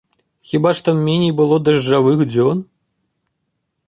Хіба ж там меней было дажджавых дзён?